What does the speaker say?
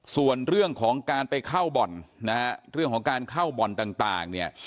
ส่วนเรื่องของการไปเข้าบ่อนนะฮะเรื่องของการเข้าบ่อนต่างเนี่ย